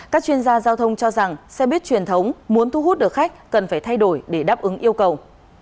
các chuyên gia giao thông cho rằng xe buýt truyền thống muốn thu hút được khách cần phải thay đổi để đáp ứng yêu cầu